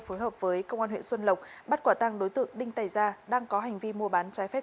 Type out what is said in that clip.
phối hợp với công an huyện xuân lộc bắt quả tăng đối tượng đinh tài gia đang có hành vi mua bán trái phép